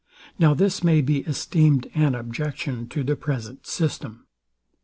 Now this may be esteemed an objection to the present system.